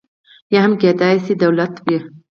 یا هم کېدای شي دولت وي.